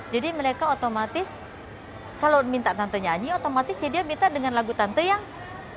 jadi mereka otomatis kalau minta tante nyanyi otomatis dia minta dengan lagu tante yang delapan puluh sembilan puluh an gitu